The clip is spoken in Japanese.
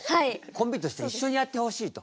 コンビとして一緒にやってほしいと。